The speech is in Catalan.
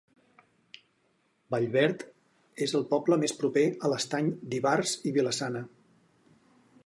Vallverd és el poble més proper a l'Estany d'Ivars i Vila-sana.